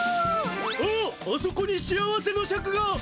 あっあそこに幸せのシャクが！